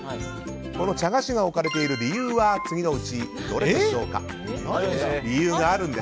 この茶菓子が置かれている理由は次のうちどれでしょうか？